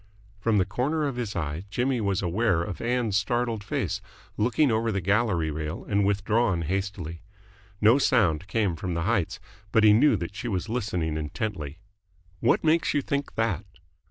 From the corner of his eye Jimmy was aware of Ann's startled face, looking over the gallery rail and withdrawn hastily. No sound came from the heights, but he knew that she was listening intently. "What makes you think that?"